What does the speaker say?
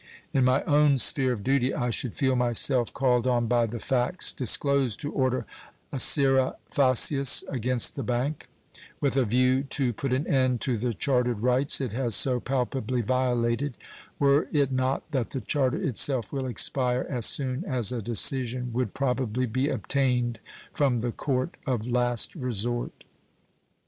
In my own sphere of duty I should feel myself called on by the facts disclosed to order a scire facias against the bank, with a view to put an end to the chartered rights it has so palpably violated, were it not that the charter itself will expire as soon as a decision would probably be obtained from the court of last resort.